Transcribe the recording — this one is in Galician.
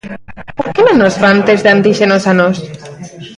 Por que non nos fan test de antíxenos a nós?